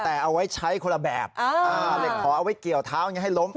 แต่เอาไว้ใช้คนละแบบเหล็กขอเอาไว้เกี่ยวเท้าให้ล้ม